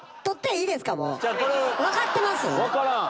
分かってます？